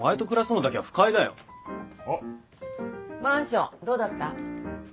マンションどうだった？